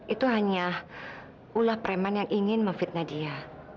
itu hanya ulah preman yang ingin memfitnah dia